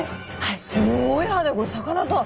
すんごい歯だこれ魚とは。